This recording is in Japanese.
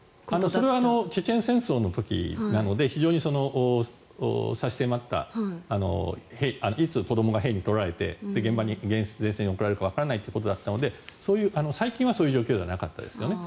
それはチェチェン戦争の時なので非常に差し迫ったいつ子どもが兵に取られて現場、前線に送られるかわからないという状況だったので最近はそういう状況ではなかったですよね。